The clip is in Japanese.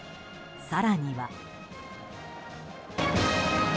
更には。